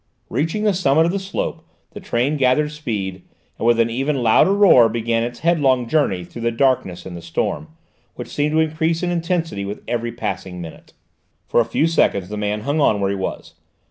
Reaching the summit of the slope, the train gathered speed, and with an even louder roar began its headlong journey through the darkness and the storm, which seemed to increase in intensity with every passing minute. For a few seconds the man hung on where he was.